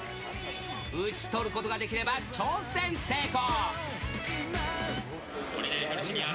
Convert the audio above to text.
打ち取ることができれば、挑戦成功。